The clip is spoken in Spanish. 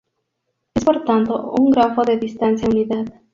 Es por tanto un grafo de distancia unidad.